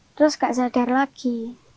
terus tidak sadar lagi